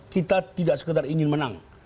kita tidak sekedar ingin menang